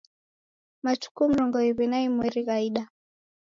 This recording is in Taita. Matuku mrongo iw'i na imweri ghaida.